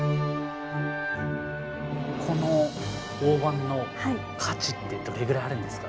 この大判の価値ってどれぐらいあるんですか？